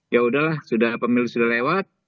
ya udahlah sudah pemilu sudah lewat